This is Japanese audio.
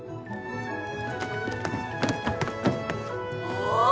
お！